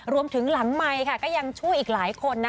รวมถึงหลังไมก็ยังช่วยอีกหลายคน